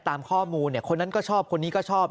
ตามข้อมูลคนนั้นก็ชอบคนนี้ก็ชอบ